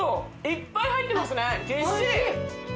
いっぱい入ってますねぎっしり！